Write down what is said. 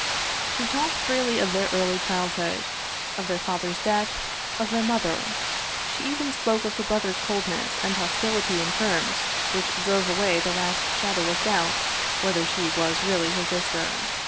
She talked freely of their early childhood, of their father's death, of their mother; she even spoke of her brother's coldness and hos tility in terms which drove away the last shadow of doubt whether she was really his sister.